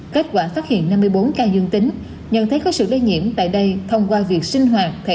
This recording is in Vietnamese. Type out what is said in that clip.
kết quả phát hiện năm mươi bốn ca dương tính nhận thấy có sự lây nhiễm tại đây thông qua việc sinh hoạt thể